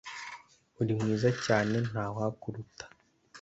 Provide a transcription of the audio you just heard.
uri mwiza cyane ntawakuruta